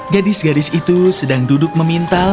gatis gatis itu sedang duduk meminta